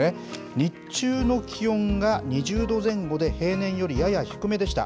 日中の気温が２０度前後で、平年よりやや低めでした。